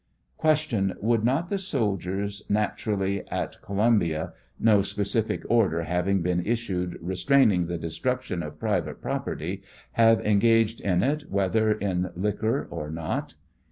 Q. Would not the soldiers naturally at Columbia, no 67 specific order having been issued restraining the destruction of private property, have engaged in it whether in liquor or not?